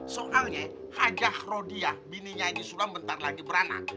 soalnya hajah rodia bininya haji sulam bentar lagi beranak